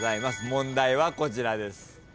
問題はこちらです。